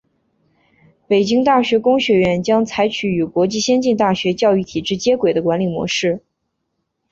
北京大学工学院将采取与国际先进大学教育体制接轨的管理模式。